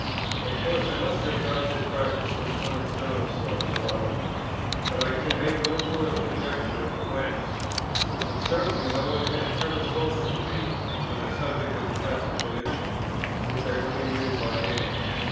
Of course I must have got this practice from some external source or other; but I can make no sort of conjecture whence; and certainly no one had ever spoken to me on the subject of the Catholic religion, which I only knew by name.